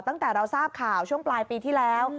ตั้งแต่เราทราบข่าวช่วงปลายปีที่แล้ว